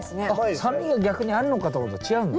酸味が逆にあるのかと思ったら違うんだ。